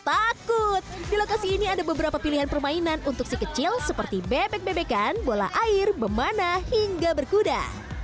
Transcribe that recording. takut di lokasi ini ada beberapa pilihan permainan untuk si kecil seperti bebek bebekan bola air bemana hingga berkuda